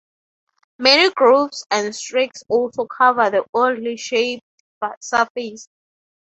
Many grooves and streaks also cover the oddly shaped surface.